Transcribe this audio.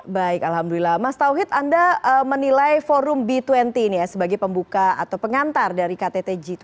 baik alhamdulillah mas tauhid anda menilai forum b dua puluh sebagai pembuka atau pengantar dari kttg dua puluh